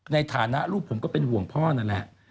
ในฐานะลูกผมก็เป็นห่วงพ่อนั่นแหละ